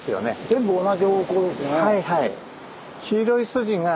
全部同じ方向ですね。